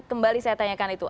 kembali saya tanyakan itu